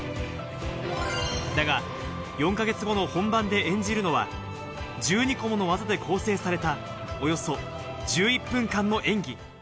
だが４か月後の本番で演じるのは、１２個もの技で構成された、およそ１１分間の演技。